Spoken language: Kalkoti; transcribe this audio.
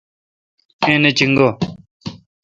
ایں نہ چینگہ۔۔